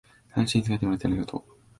話につきあってもらってありがとう